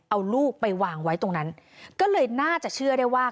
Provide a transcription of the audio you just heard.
เอาลูกไปวางไว้ตรงนั้นก็เลยน่าจะเชื่อได้ว่า